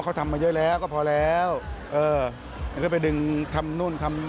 เออแต่ก็สวยขึ้นนะ